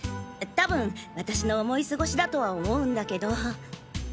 たぶん私の思い過ごしだとは思うんだけど。